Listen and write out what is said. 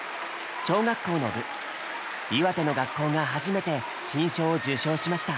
小学校の部岩手の学校が初めて金賞を受賞しました。